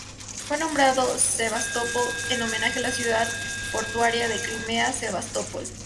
Fue nombrado Sevastopol en homenaje a la ciudad portuaria de Crimea Sebastopol.